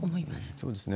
そうですね。